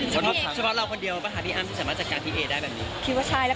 เฉพาะเราคนเดียวเพราะฉะนั้นที่ดาบพี่เอได้แบบนี้